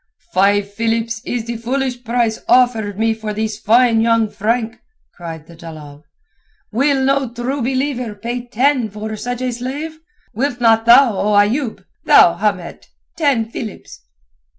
"Five philips is the foolish price offered me for this fine young Frank," cried the dalal. "Will no True Believer pay ten for such a slave? Wilt not thou, O Ayoub? Thou, Hamet—ten philips?"